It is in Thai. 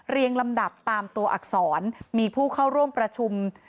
ลำดับตามตัวอักษรมีผู้เข้าร่วมประชุม